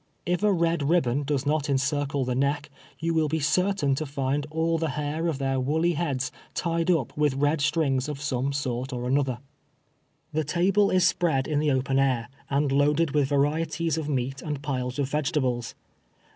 If a red rib bon does not encircle the neck, you will be certain to find all the hair of their woolly heads tied up with red Btrinirs of one sort or another. THE CHRISTMAS SUPPEE. 215 Tlie table is spread in the open air, and loaded with, varieties of meat and piles of vegetables.